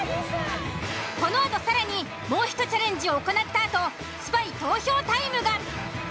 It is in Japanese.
このあと更にもうひとチャレンジを行ったあとスパイ投票タイムが。